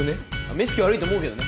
目つき悪いと思うけどね。